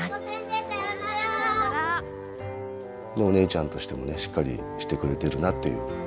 お姉ちゃんとしてもねしっかりしてくれてるなっていう。